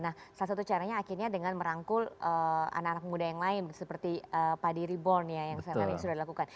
nah salah satu caranya akhirnya dengan merangkul anak anak muda yang lain seperti pak diri born ya yang misalnya sudah dilakukan